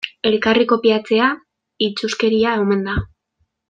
Elkarri kopiatzea itsuskeria omen da.